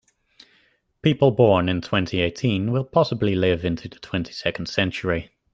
People born in twenty-eighteen will possibly live into the twenty-second century.